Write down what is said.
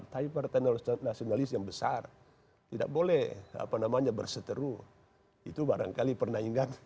konten nasionalis yang besar tidak boleh apa namanya berseteru itu barangkali pernah ingat